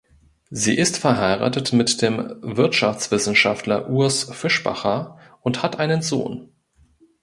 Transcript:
Sie ist verheiratet mit dem Wirtschaftswissenschaftler Urs Fischbacher und hat einen Sohn.